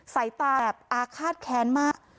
สายตาแบบอาฆาตแค้นมาก